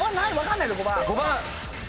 ５番。